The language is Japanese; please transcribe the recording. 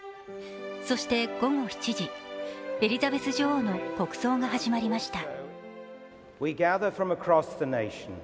そして午後７時、エリザベス女王の国葬が始まりました。